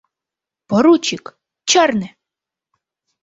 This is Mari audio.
Поручик, чарне!